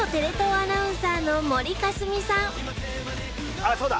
あっそうだ。